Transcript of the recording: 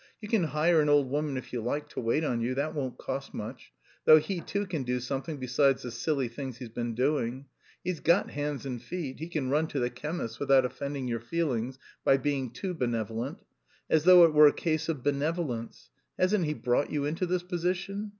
You can hire an old woman if you like to wait on you, that won't cost much. Though he too can do something besides the silly things he's been doing. He's got hands and feet, he can run to the chemist's without offending your feelings by being too benevolent. As though it were a case of benevolence! Hasn't he brought you into this position?